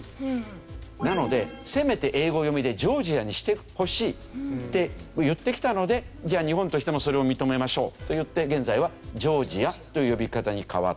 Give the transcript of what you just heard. なのでせめて英語読みで「ジョージア」にしてほしいって言ってきたのでじゃあ日本としてもそれを認めましょうといって現在は「ジョージア」という呼び方に変わった。